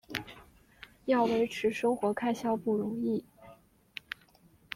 要维持生活开销不容易